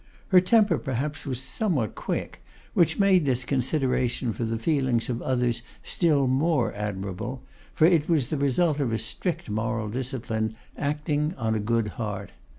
Her temper, perhaps, was somewhat quick, which made this consideration for the feelings of others still more admirable, for it was the result of a strict moral discipline acting on a good heart.